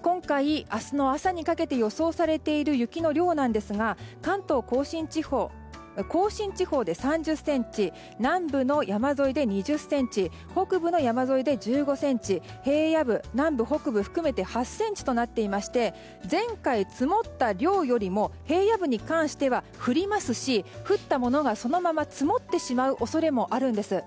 今回、明日の朝にかけて予想されている雪の量なんですが関東・甲信地方甲信地方で３０ｃｍ南部の山沿いで２０ｃｍ北部の山沿いで２０ｃｍ平野部、南部・北部含めて８ｃｍとなっていまして前回積もった量よりも平野部に関しては降りますし、降ったものがそのまま積もってしまう恐れもあるんです。